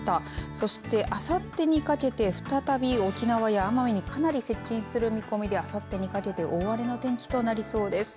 そしてあさってにかけて再び沖縄や奄美にかなり接近する見込みであさってにかけて大荒れの天気となりそうです。